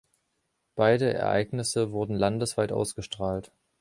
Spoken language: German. Beide Ereignisse wurden landesweit ausgestrahlt.